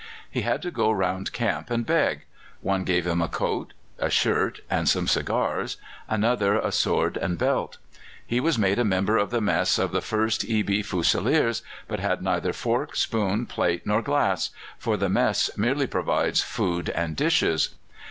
He had to go round camp and beg: one gave him a coat, a shirt, and some cigars, another a sword and belt. He was made a member of the mess of the 1st E. B. Fusiliers, but had neither fork, spoon, plate, nor glass for the mess merely provides food and dishes.